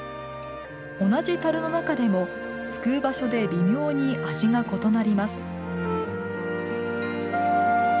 同じたるの中でもすくう場所で微妙に味が異なります。